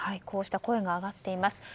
こうした声が上がっています。